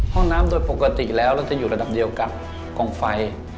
ห้องน้ำโดยปกติแล้วเราจะอยู่ระดับเดียวกับกองไฟ